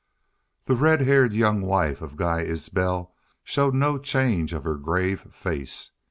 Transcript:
The red haired young wife of Guy Isbel showed no change of her grave face.